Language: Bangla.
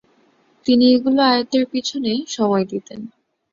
তিনি এগুলো আয়ত্তের পিছনে সময় দিতেন।